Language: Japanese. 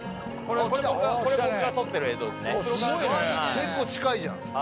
結構近いじゃん。